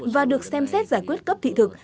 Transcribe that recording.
và được xem xét giải quyết cấp thị thực